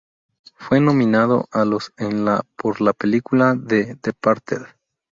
Fue nominado a los en la por la película "The Departed".